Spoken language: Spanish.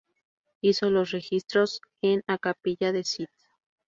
Hizo los registros en a capilla de St.